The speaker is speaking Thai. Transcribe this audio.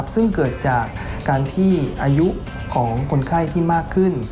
ซึ่งเกิดจากการที่อายุของคนไข้ที่มากขึ้น